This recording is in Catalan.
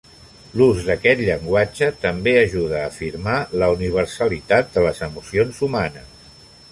L'ús d'aquest llenguatge també ajuda a afirmar la universalitat de les emocions humanes.